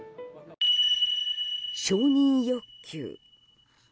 承認欲求。